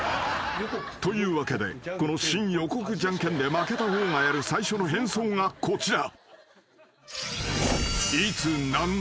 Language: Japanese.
［というわけでこの新予告ジャンケンで負けた方がやる最初の変装がこちら］